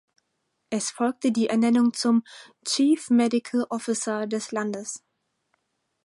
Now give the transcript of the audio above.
Es folgte die Ernennung zum "Chief Medical Officer" des Landes.